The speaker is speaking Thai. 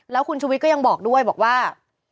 แล้วคุณชุวิตก็ยังบอกด้วยบอกว่า